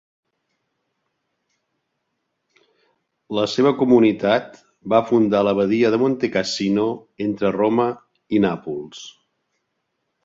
La seva comunitat va fundar l'abadia de Montecassino, entre Roma i Nàpols.